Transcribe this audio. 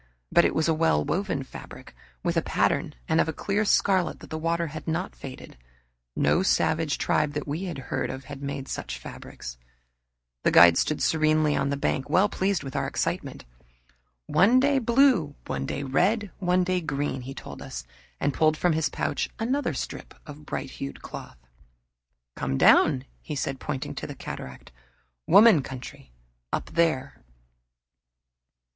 But it was a well woven fabric, with a pattern, and of a clear scarlet that the water had not faded. No savage tribe that we had heard of made such fabrics. The guide stood serenely on the bank, well pleased with our excitement. "One day blue one day red one day green," he told us, and pulled from his pouch another strip of bright hued cloth. "Come down," he said, pointing to the cataract. "Woman Country up there."